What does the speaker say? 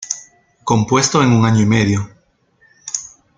Compuesto en un año y medio.